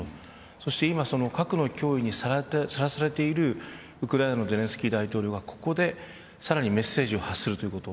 そして、核の脅威にさらされているウクライナのゼレンスキー大統領がここで、さらにメッセージを発するということ。